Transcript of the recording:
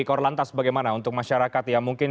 korlantas bagaimana untuk masyarakat yang mungkin